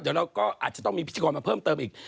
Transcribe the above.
เดี๋ยวเราก็อาจจะต้องมีพิธีกรมาเพิ่มเติมอีก